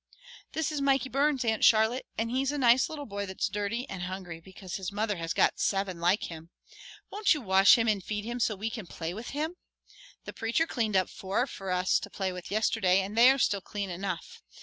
"This is Mikey Burns, Aunt Charlotte, and he's a nice little boy that's dirty and hungry because his mother has got seven like him. Won't you wash him and feed him so we can play with him? The preacher cleaned up four for us to play with yesterday and they are still clean enough.